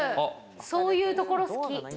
そういうところ好き。